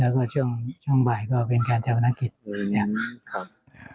แล้วก็ช่วงช่วงบ่ายก็เป็นแค่เช้าพนักกิจอืมครับ